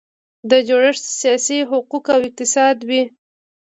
دا جوړښت سیاسي، حقوقي او اقتصادي وي.